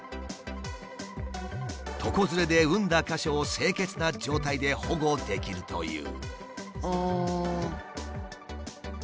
床ずれで膿んだ箇所を清潔な状態で保護できるという。